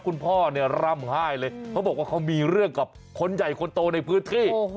คุณพ่อเนี่ยร่ำไห้เลยเขาบอกว่าเขามีเรื่องกับคนใหญ่คนโตในพื้นที่